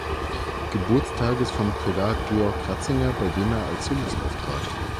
Geburtstages von Prälat Georg Ratzinger, bei dem er als Solist auftrat.